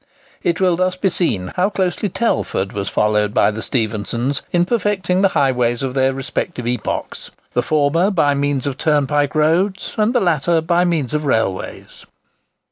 It will thus be seen how closely Telford was followed by the Stephensons in perfecting the highways of their respective epochs; the former by means of turnpike roads, and the latter by means of railways.